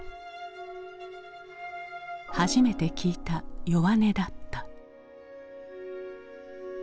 初めて聞いた弱音だった。